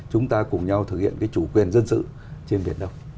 chúng ta cùng nhau thực hiện cái chủ quyền dân sự trên biển đông